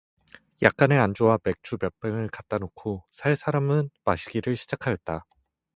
약간의 안주와 맥주 몇 병을 갖다 놓고 세 사람은 마시기를 시작하였다.